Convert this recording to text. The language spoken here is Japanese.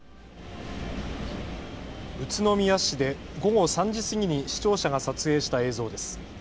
宇都宮市で午後３時過ぎに視聴者が撮影した映像です。